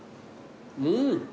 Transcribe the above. うん。